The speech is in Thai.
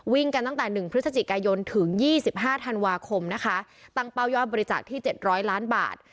กันตั้งแต่๑พฤศจิกายนถึง๒๕ธันวาคมนะคะตั้งเป้ายอดบริจาคที่๗๐๐ล้านบาท